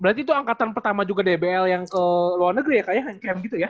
berarti itu angkatan pertama juga dbl yang ke luar negeri ya kayaknya gitu ya